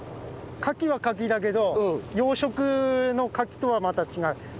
カキはカキだけど養殖のカキとはまた違う。